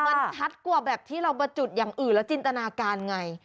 มันชัดกว่าแบบที่เรามาจุดอย่างอื่นแล้วจินตนาการไง